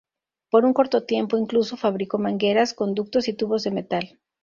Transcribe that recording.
Por un corto tiempo, incluso fabricó mangueras, conductos y tubos de metal.